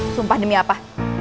sumpah demi apa